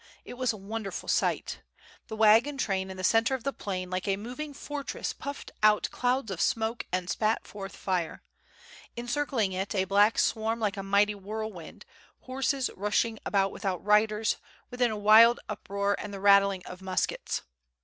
It was a wonderful sight. The wagon train in the centre of the plain like a moving fortress puffed out clouds of smoke and spat forth fire. Encircling it a black swarm like a mighty whirlwind, horses rushing about without riders; within a wild uproar and the rattling of muskets.